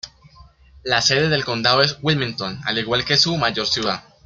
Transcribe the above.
La sede del condado es Wilmington, al igual que su mayor ciudad.